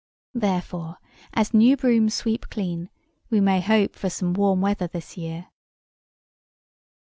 Therefore, as new brooms sweep clean, we may hope for some warm weather this year.